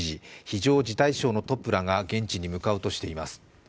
非常事態省のトップらが現地に向かうとしています。